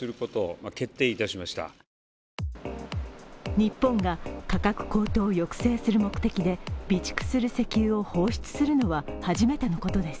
日本が価格高騰を抑制する目的で備蓄する石油を放出するのは初めてのことです。